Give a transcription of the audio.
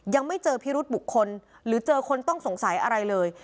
ยังไม่เจอพิรุษบุคคลหรือเจอคนต้องสงสัยอะไรเลย